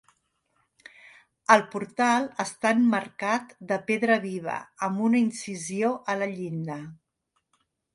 El portal està emmarcat de pedra viva amb una incisió a la llinda.